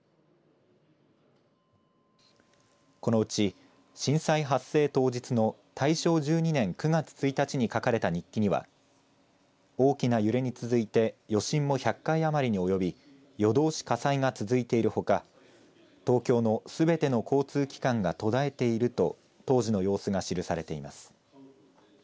このうち震災発生当日の大正１２年９月１日に書かれた日記には大きな揺れに続いて余震も１００回余りに及び夜どうし火災が続いているほか東京のすべての交通機関が途絶えていると当時の様子が記されています。